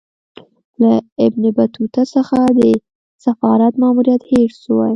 له ابن بطوطه څخه د سفارت ماموریت هېر سوی.